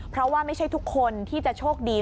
เพราะว่าไม่ใช่ทุกคนที่จะโชคดี